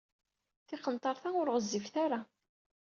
Tiqenṭert-a ur ɣezzifet ara.